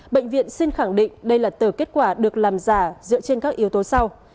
bệnh viện xin khẳng định đây là từ kết quả được làm giả dựa trên các yếu tố sau